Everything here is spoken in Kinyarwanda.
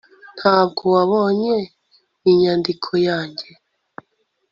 ntabwo wabonye inyandiko yanjye